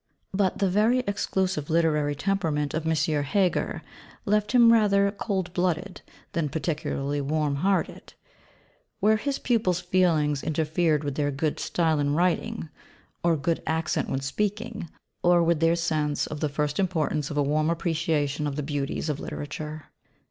But the very exclusive literary temperament of M. Heger left him rather cold blooded than particularly warm hearted, where his pupils' feelings interfered with their good style in writing; or good accent when speaking; or with their sense of the first importance of a warm appreciation of the beauties of literature.